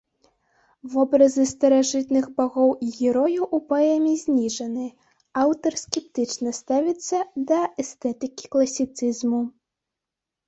Вобразы старажытных багоў і герояў у паэме зніжаны, аўтар скептычна ставіцца да эстэтыкі класіцызму.